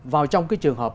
vào trong cái trường hợp